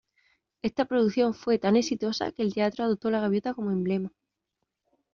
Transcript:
Esta producción fue tan exitosa que el teatro adoptó la gaviota como emblema.